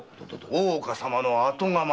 大岡様の後釜。